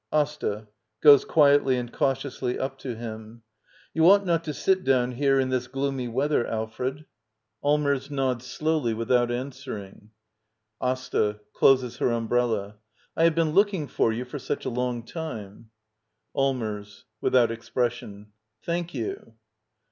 AsTA. [Goes quietly and cautiously up to him.] You ought not to sit down here in this gloomy weather, Alfred. 47 Digitized by VjOOQIC LITTLE EYOLF <gi Act n. [Allmeis nods slowly without answering.] ASTA. [Closes her umbrella.] I have been looking for you for such a long time. Allmbrs. [Without expression.] Thank you.